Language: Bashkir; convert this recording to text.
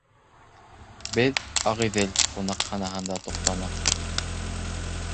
Беҙ «Ағиҙел» ҡунаҡханаһында туҡтаныҡ.